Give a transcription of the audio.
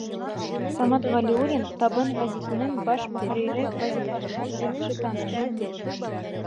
Самат Ғәлиуллин «Табын» гәзитенең баш мөхәррире вазифаһынан яҡшы таныш.